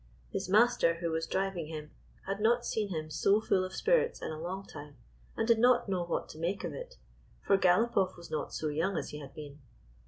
His master, who was driving him, had not seen him so full of spirits in a long time, and did not know what to make of it, for Galopoff was not so young as he had been.